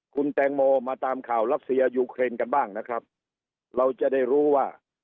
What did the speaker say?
คุณแตงโมมาตามข่าวรัสเซียยูเครนกันบ้างนะครับเราจะได้รู้ว่า